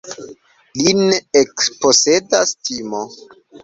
Lin ekposedas timo.